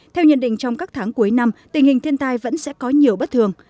theo nhận định trong các tháng cuối năm tình hình thiên tai vẫn sẽ có nhiều bất thường